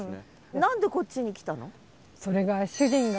何でこっちに来たの？